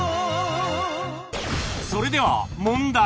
それでは問題